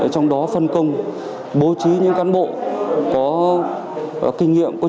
trong đó phân công bố trí những cán bộ có kinh nghiệm